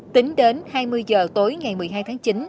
tính đến hai mươi giờ tối ngày một mươi hai tháng chín